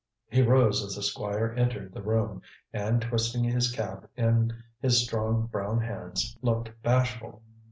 He rose as the Squire entered the room, and twisting his cap in his strong brown hands, looked bashful.